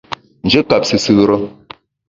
Njù kap sùsù re.